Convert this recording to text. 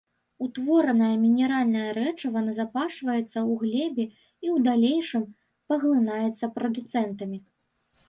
Утворанае мінеральнае рэчыва назапашваецца ў глебе і ў далейшым паглынаецца прадуцэнтамі.